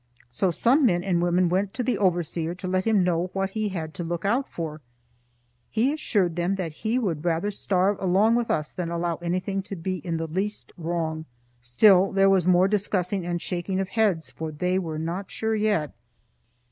So some men and women went to the overseer to let him know what he had to look out for. He assured them that he would rather starve along with us than allow anything to be in the least wrong. Still, there was more discussing and shaking of heads, for they were not sure yet.